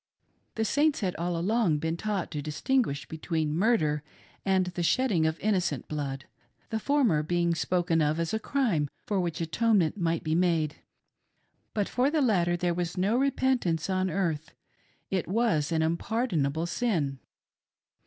The Saints had all along been taught to distinguish between murder aiid the shedding of innocent filood — the former being THE "UNPARDONABLE SIN" DEFINED. 3H spoken of as a crime for which atonement might be made, but for the latter there was no repentance on earth — it was an unpardonable sin.